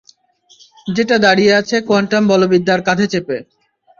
যেটা দাঁড়িয়ে আছে কোয়ান্টাম বলবিদ্যার কাঁধে চেপে।